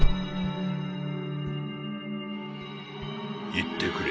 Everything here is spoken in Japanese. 行ってくれ。